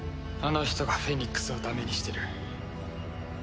あの人がフェニックスをダメにしてる。